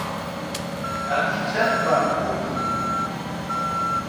ئەدی چەند بار گوو بوو؟